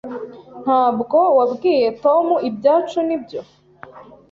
Ntabwo wabwiye Tom ibyacu, nibyo?